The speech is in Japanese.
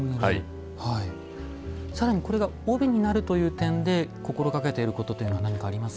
更にこれが帯になるという点で心がけていることっていうのは何かありますか？